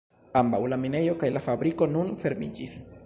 Ambaŭ la minejo kaj la fabriko nun fermiĝis.